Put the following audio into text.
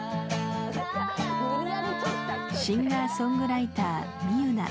シンガーソングライターみゆな。